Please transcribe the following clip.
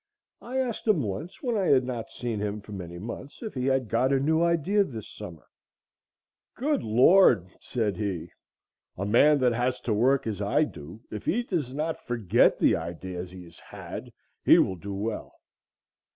I asked him once, when I had not seen him for many months, if he had got a new idea this summer. "Good Lord," said he, "a man that has to work as I do, if he does not forget the ideas he has had, he will do well.